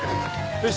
よし。